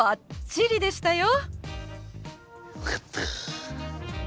よかった！